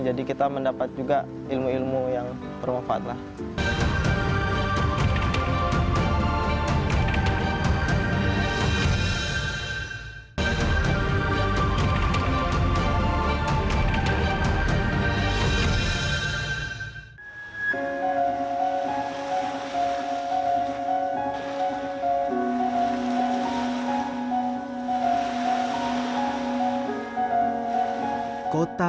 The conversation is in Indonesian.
jadi kita mendapat juga ilmu ilmu yang bermanfaat